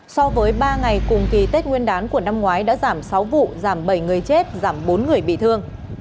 so với ba ngày cùng kỳ tết nguyên đán của năm ngoái đã giảm sáu vụ giảm bảy người chết giảm bốn người bị thương